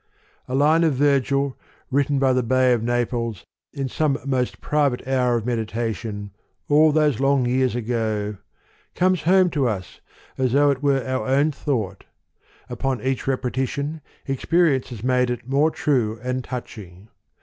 A line of Vir gil, written by the Bay of Naples, in some most private hour of meditation, all those long years ago ! comes home to us, as though it were our own thought : upon each repetition, experience has made it more true and touching.